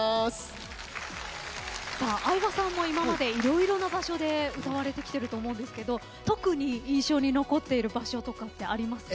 相葉さんも今まで色々な場所で歌われてきていると思うんですが特に印象に残っている場所とかってありますか？